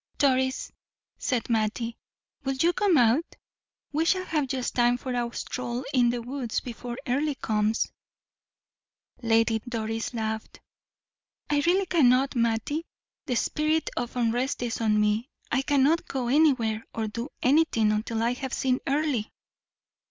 "Doris," said Mattie, "will you come out? We shall have just time for a stroll in the woods before Earle comes." Lady Doris laughed. "I really cannot, Mattie. The spirit of unrest is on me, I cannot go anywhere or do anything until I have seen Earle."